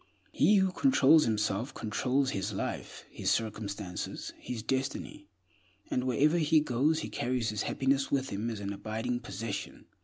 He who controls himself controls his life, his circumstances, his destiny, and wherever he goes he carries his happiness with him as an abiding possession.